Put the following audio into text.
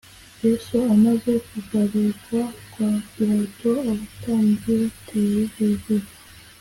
Yesu amaze kugarurwa kwa Pilato abatambyi bateye hejuru